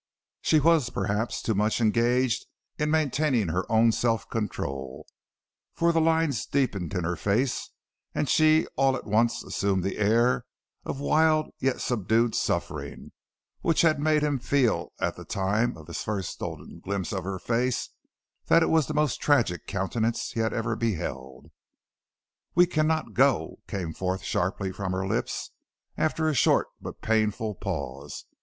She was, perhaps, too much engaged in maintaining her own self control, for the lines deepened in her face, and she all at once assumed that air of wild yet subdued suffering which had made him feel at the time of his first stolen glimpse of her face that it was the most tragic countenance he had ever beheld. "We cannot go," came forth sharply from her lips, after a short but painful pause.